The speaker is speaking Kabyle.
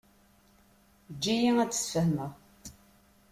Eǧǧ-iyi ad d-sfehmeɣ.